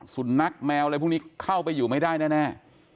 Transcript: สุนัขแมวอะไรพวกนี้เข้าไปอยู่ไม่ได้แน่